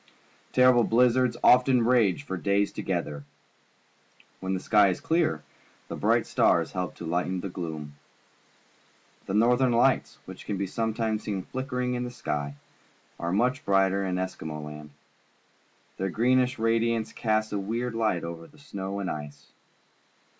Terrible blizzards often rage for days together. When the sky is clear, the bright stars help to lighten the gloom. The Northern Lights, which we can sometimes see flickering in the sky, are much brighter in Eskimo Land. Their greenish radiance casts a weird light over the snow and ice.